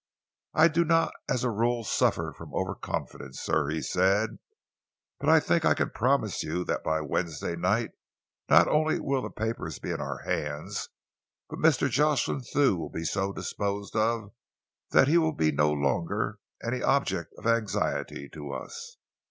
"I do not as a rule suffer from over confidence, sir," he said, "but I think I can promise you that by Wednesday night not only will the papers be in our hands, but Mr. Jocelyn Thew will be so disposed of that he will be no longer an object of anxiety to us."